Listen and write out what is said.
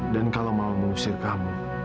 dan kalau mau mengusir kamu